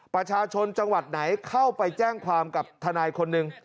ประชาชนจังหวัดไหนเข้าไปแจ้งความกับทนายคนหนึ่ง